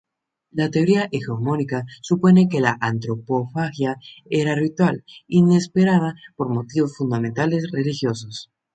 La teoría hegemónica supone que la antropofagia era ritual, inspirada por motivos fundamentalmente religiosos.